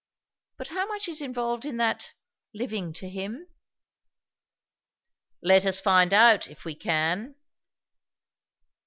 '" "But how much is involved in that 'living to him'?" "Let us find out, if we can.